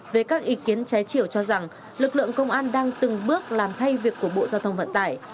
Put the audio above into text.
về các ý kiến trái chiều cho rằng lực lượng công an đang từng bước làm thay việc của bộ giao thông vận tải